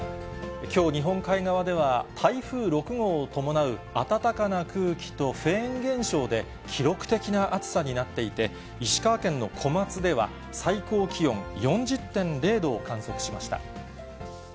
きょう、日本海側では台風６号を伴う暖かな空気とフェーン現象で、記録的な暑さになっていて、石川県の小松では、最高気温４０．０度を観測しました。